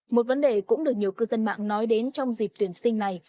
một vấn đề cũng được nhiều cư dân mạng nói đến trong dịp tuyển sinh này